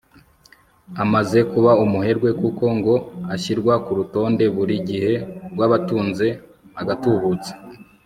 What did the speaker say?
amaze kuba umuherwe kuko ngo ashyirwa ku rutonde buri gihe rw'abatunze agatubutse